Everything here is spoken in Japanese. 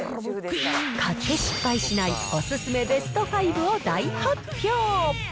買って失敗しないお勧めベスト５を大発表。